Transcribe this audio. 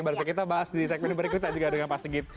baru kita bahas di segmen berikutnya juga dengan pak sigit